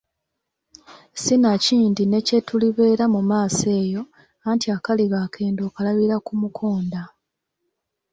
Sinakindi ne kye tulibeera mu maaso eyo, anti akaliba akendo okalabira ku mukonda.